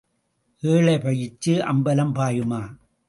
ஏழை பேச்சு அம்பலம் பாயுமா?